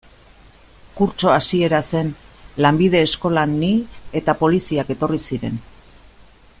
Kurtso hasiera zen, lanbide eskolan ni, eta poliziak etorri ziren.